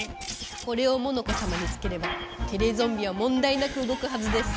これをモノコさまにつければテレゾンビはもんだいなくうごくはずです。